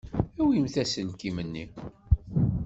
Awimt-d aselkim-nni.